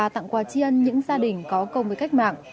tặng quà chiên những gia đình có công với cách mạng